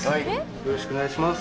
よろしくお願いします。